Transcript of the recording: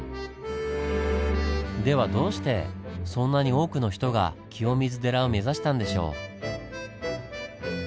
ではどうしてそんなに多くの人が清水寺を目指したんでしょう？